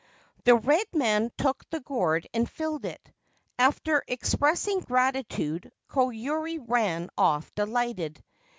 The red man took the gourd, and filled it. After express ing gratitude, Koyuri ran off delighted.